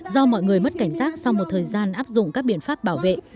do mọi người mất cảnh giác sau một thời gian áp dụng các biện pháp bảo vệ